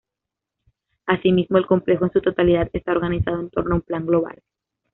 Asimismo, el complejo en su totalidad está organizado en torno a un plan global.